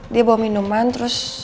dia bawa minuman terus